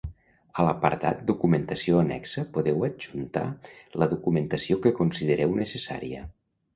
A l'apartat "Documentació annexa" podeu adjuntar la documentació que considereu necessària.